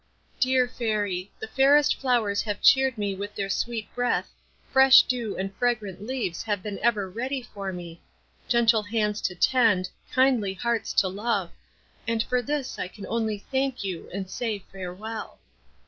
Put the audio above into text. "Dear Fairy, the fairest flowers have cheered me with their sweet breath, fresh dew and fragrant leaves have been ever ready for me, gentle hands to tend, kindly hearts to love; and for this I can only thank you and say farewell."